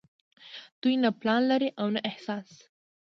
دوي نۀ پلان لري او نه احساس